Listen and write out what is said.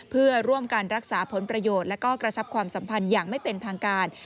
เพื่อร่วมการรักษาผลประโยชน์และก็กระชับความสัมพันธ์อย่างไม่เป็นทางการ